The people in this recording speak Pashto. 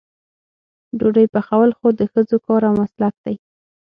ډوډۍ پخول خو د ښځو کار او مسلک دی.